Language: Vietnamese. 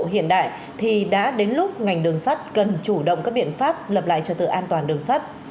hiện đại thì đã đến lúc ngành đường sắt cần chủ động các biện pháp lập lại trật tự an toàn đường sắt